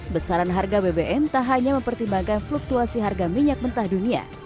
besaran harga bbm tak hanya mempertimbangkan fluktuasi harga minyak mentah dunia